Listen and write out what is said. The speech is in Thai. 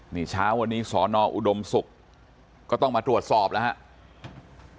นี่เช้าวันนี้สอนออุดมศุกร์ก็ต้องมาตรวจสอบแล้วครับ